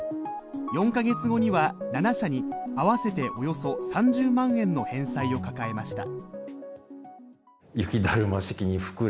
４か月後には、７社に合わせておよそ３０万円の返済を抱えました。